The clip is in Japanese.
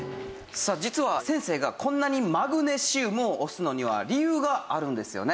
さあ実は先生がこんなにマグネシウムを推すのには理由があるんですよね？